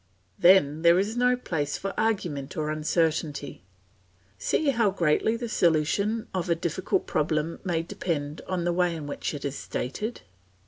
Then there is no place for argument or uncertainty. See how greatly the solution of a difficult problem may depend on the way in which it is stated.